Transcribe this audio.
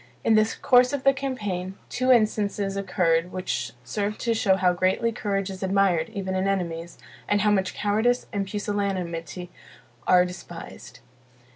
In the course of the campaign, two instances occurred which served to show how greatly courage is admired even in enemies, and how much cowardice and pusillanimity are despised.